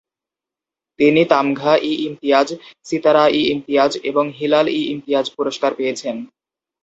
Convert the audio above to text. তিনি তামঘা-ই-ইমতিয়াজ, সিতারা-ই-ইমতিয়াজ এবং হিলাল-ই-ইমতিয়াজ পুরস্কার পেয়েছেন।